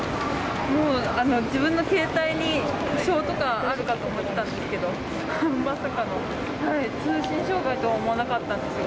もう自分の携帯に故障とかあるかと思ったんですけど、まさかの通信障害とは思わなかったんですよ。